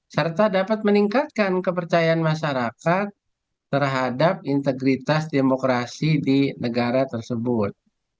serta dapat meningkatkan kepercayaan masyarakat terhadap integritas demokrasi di negara tersebut